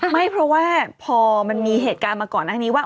ไม่เพราะว่าพอมันมีเหตุการณ์มาก่อนหน้านี้ว่า